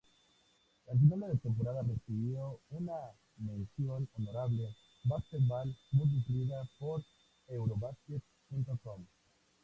A final de temporada recibió una "mención honorable" Basketball Bundesliga por "Eurobasket.com".